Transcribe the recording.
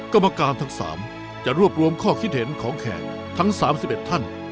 กรรมการทั้ง๓จะรวบรวมข้อคิดเห็นของแขกทั้ง๓๑ท่าน